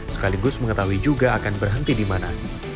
sekaligus mengetahui juga akan berhenti di mana